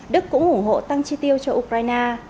đức cũng ủng hộ tăng chi tiêu cho ukraine